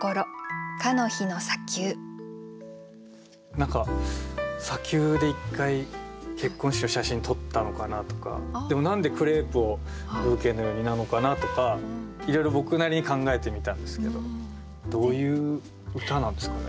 何か砂丘で１回結婚式の写真を撮ったのかなとかでも何で「クレープをブーケのように」なのかなとかいろいろ僕なりに考えてみたんですけどどういう歌なんですかね。